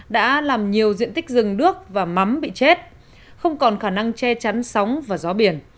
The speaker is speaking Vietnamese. đã làm nhiều diện tích rừng đước và mắm bị chết không còn khả năng che chắn sóng và gió biển